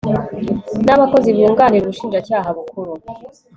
n Abakozi bunganira Ubushinjacyaha Bukuru